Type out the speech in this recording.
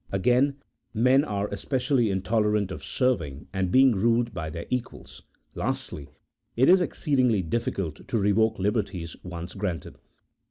Again, men are espe cially intolerant of serving and being ruled by their equals. Lastly, it is exceedingly difficult to revoke liberties once granted.